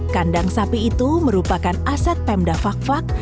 kandang sapi itu merupakan aset pemda fak fak